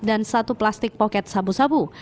dan satu plastik poket sabu sabu